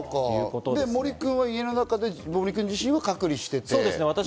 森君は家の中で、森君自身は隔離していた。